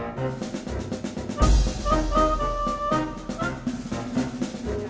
itu musti susah